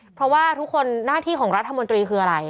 เพราะว่าทุกคนหน้าที่ของรัฐมนตรีคืออะไร